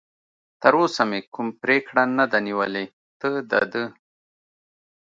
تراوسه مې کوم پرېکړه نه ده نیولې، ته د ده.